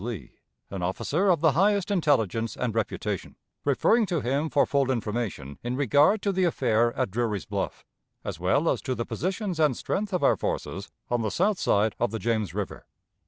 Lee, an officer of the highest intelligence and reputation referring to him for full information in regard to the affair at Drury's Bluff, as well as to the positions and strength of our forces on the south side of the James River.